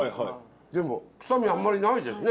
でも臭みあんまりないですね。